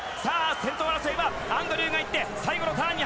先頭争いはアンドリューが行って最後のターン。